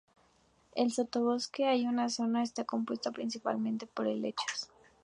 El sotobosque que hay en esta zona está compuesto principalmente por helechos.